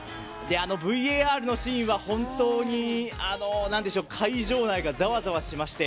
ＶＡＲのシーンは本当に会場内がざわざわしまして。